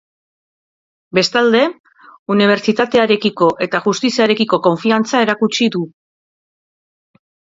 Bestalde, unibertsitatearekiko eta justiziarekiko konfiantza erakutsi du.